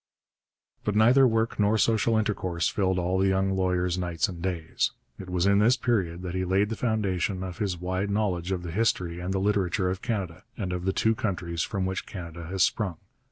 But neither work nor social intercourse filled all the young lawyer's nights and days. It was in this period that he laid the foundation of his wide knowledge of the history and the literature of Canada and of the two countries from which Canada has sprung.